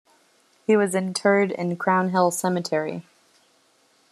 He was interred in Crown Hill Cemetery.